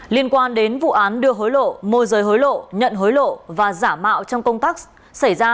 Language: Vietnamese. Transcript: liên quan đến vụ án đưa hối lộ môi giới hối lộ nhận hối lộ và giả mạo trong công tác xảy ra